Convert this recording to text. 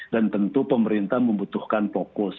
dan tentu pemerintah membutuhkan fokus